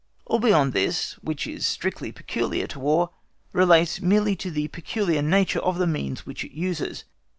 All beyond this which is strictly peculiar to War relates merely to the peculiar nature of the means which it uses.